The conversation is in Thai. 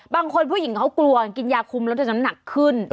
ผู้หญิงเขากลัวกินยาคุมแล้วจะน้ำหนักขึ้น